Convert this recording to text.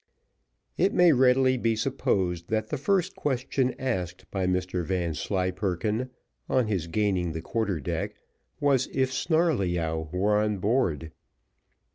It may readily be supposed, that the first question asked by Mr Vanslyperken, on his gaining the quarter deck, was, if Snarleyyow were on board.